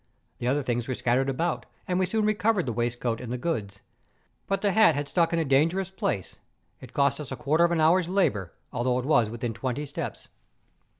The other things were scattered about, and we soon recovered the waistcoat and the goods. But the hat had stuck in a dangerous place ; 136 MOUNTAIN ADVENTURES. it cost US a quarter of an hour's labour, although it was within twenty steps.